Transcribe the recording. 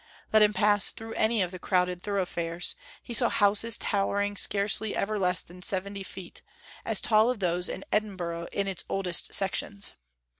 Let him pass through any of the crowded thoroughfares, he saw houses towering scarcely ever less than seventy feet, as tall as those of Edinburgh in its oldest sections.